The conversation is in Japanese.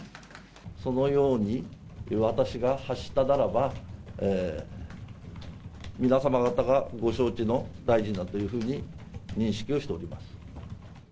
そのように私が発したならば、皆様方がご承知の大臣だというふうに認識をしております。